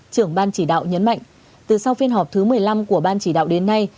trưởng ban chỉ đạo nhấn mạnh từ sau phiên họp thứ một mươi năm của ban chỉ đạo đến nay